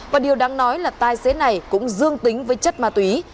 và điều đáng nói là tài xế này cũng dương tính với chất ma túy